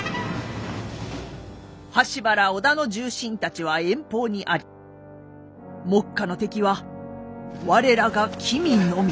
羽柴ら織田の重臣たちは遠方にあり目下の敵は我らが君のみ。